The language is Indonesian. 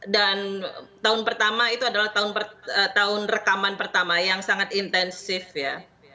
dan tahun pertama itu adalah tahun rekaman pertama yang sangat intensif ya